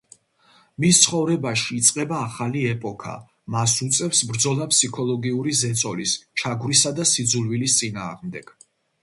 მის ცხოვრებაში იწყება ახალი ეპოქა: მას უწევს ბრძოლა ფსიქოლოგიური ზეწოლის, ჩაგვრისა და სიძულვილის წინააღმდეგ.